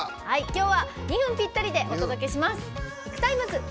きょうは２分ぴったりでお届けします。